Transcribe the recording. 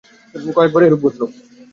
কয়েকবারই এরূপ ঘটলো।